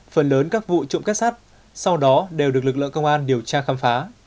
phần lớn các vụ trộm kết sắt sau đó đều được lực lượng công an điều tra khám phá